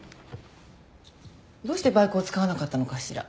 どうしてバイクを使わなかったのかしら？